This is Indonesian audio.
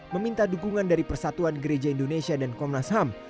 meminta dukungan dari persatuan gereja indonesia dan komnas ham